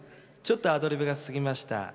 ちょっとアドリブが過ぎました。